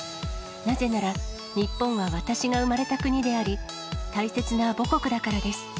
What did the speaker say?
なぜなら日本は私が生まれた国であり、大切な母国だからです。